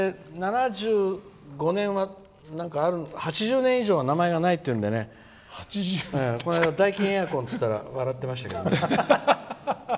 ８０年以上は名前がないというのでこの間、ダイキンエアコンって言ったら笑ってましたけどね。